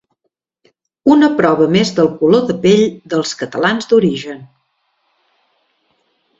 Una prova més del color de pell dels catalans d'origen.